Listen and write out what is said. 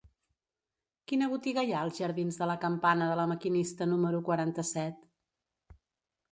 Quina botiga hi ha als jardins de la Campana de La Maquinista número quaranta-set?